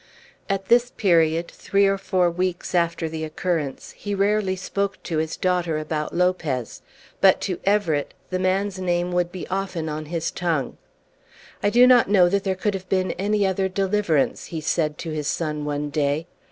At this period, three or four weeks after the occurrence, he rarely spoke to his daughter about Lopez; but to Everett the man's name would be often on his tongue. "I do not know that there could have been any other deliverance," he said to his son one day.